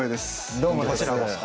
どうもこちらこそ。